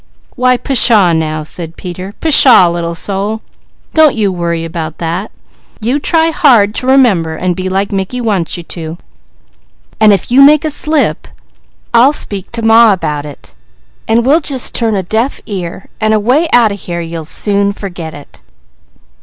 "Why pshaw now!" said Peter. "Pshaw Little Soul, don't you worry about that. You try hard to remember, and be like Mickey wants you to, and if you make a slip, I'll speak to Ma about it, and we'll just turn a deaf ear, and away out here, you'll soon forget it."